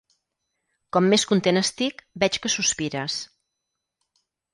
Com més content estic, veig que sospires.